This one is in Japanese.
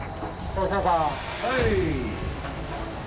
はい。